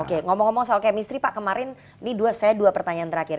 oke ngomong ngomong soal kemistri pak kemarin ini saya dua pertanyaan terakhir